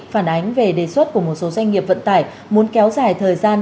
phản ánh về đề xuất của một số doanh nghiệp vận tải muốn kéo dài thời gian